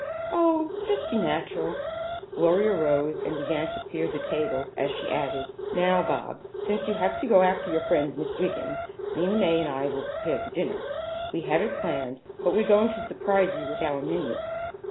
"O, just be natural." Gloria rose and began to clear the table as she added: "Now, Bobs, since you have to go after your friend, Miss Wiggin, Lena May and I will prepare the dinner. We have it planned, but we're going to surprise you with our menu."